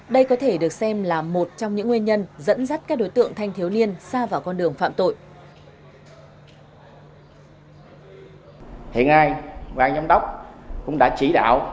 đây có thể được xem là một trong những nguyên nhân dẫn dắt các đối tượng thanh thiếu niên xa vào con đường phạm tội